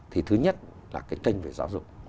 thì thứ nhất là cái kênh về giáo dục